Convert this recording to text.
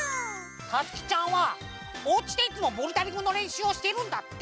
たつきちゃんはおうちでいつもボルダリングのれんしゅうをしているんだって！